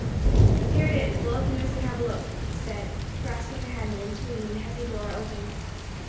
"Here it is; we'll open this and have a look," he said, grasping the handle and swinging the heavy door open.